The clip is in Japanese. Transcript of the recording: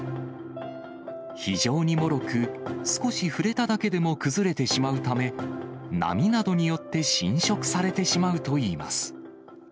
非常にもろく、少し触れただけでも崩れてしまうため、波などによって浸食されてしまうといいます。